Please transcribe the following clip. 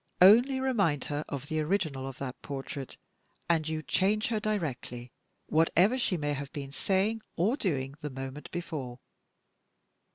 only remind her of the original of that portrait, and you change her directly, whatever she may have been saying or doing the moment before.